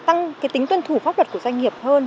tăng tính tuân thủ pháp luật của doanh nghiệp hơn